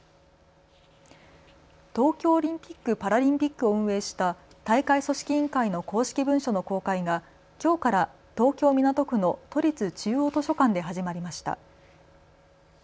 東京オリンピック・パラリンピックを運営した大会組織委員会の公式文書の公開がきょうから東京港区の都立中央図書館で始まりました。